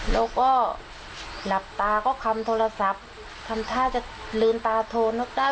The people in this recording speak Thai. แล้วก็หลับตาก็คำโทรศัพท์ทำท่าจะลืมตาโทรนึกได้